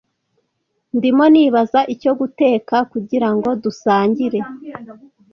Ndimo nibaza icyo guteka kugirango dusangire.